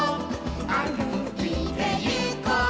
「あるいてゆこう」